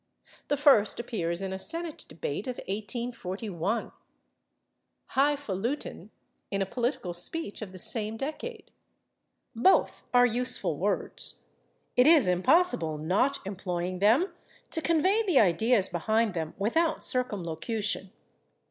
The first appears in a Senate debate of 1841; /highfalutin/ in a political speech of the same decade. Both are useful words; it is impossible, not employing them, to convey the ideas behind them without circumlocution.